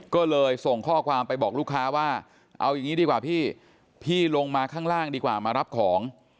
ก็เลยส่งข้อความไปบอกลูกค้าว่าเอาอย่างนี้ดีกว่าพี่พี่ลงมาข้างล่างดีกว่ามารับของ